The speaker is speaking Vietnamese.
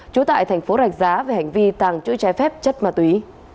trú tại tp rạch giá về hành vi tàng trữ trái phép chất ma túy